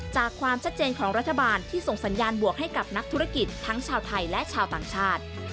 ความชัดเจนของรัฐบาลที่ส่งสัญญาณบวกให้กับนักธุรกิจทั้งชาวไทยและชาวต่างชาติ